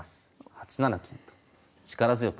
８七金と力強く。